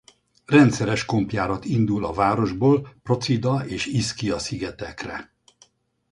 Rendszeres kompjárat indul a városból Procida és Ischia szigetekre.